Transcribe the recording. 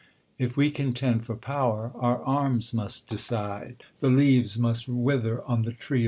If we contend for power, our arms must decide : the leaves must wither on the tree